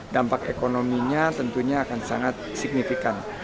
dampak ekonominya tentunya akan sangat signifikan